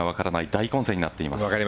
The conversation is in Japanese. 大混戦になっています。